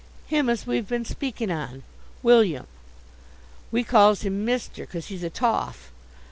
"Him as we've been speaking on William. We calls him mister, 'cause he's a toff.